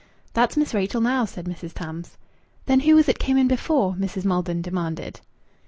"That's Miss Rachel now," said Mrs. Tams. "Then who was it came in before?" Mrs. Maldon demanded.